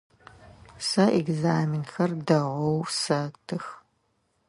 Сэ экзаменхэр дэгъоу сэтых.